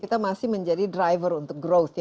kita masih menjadi driver untuk growth